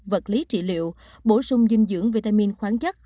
vật lý trị liệu bổ sung dinh dưỡng vitamin khoáng chất